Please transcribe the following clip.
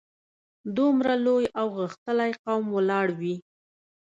دومره لوی او غښتلی قوم ولاړ وي.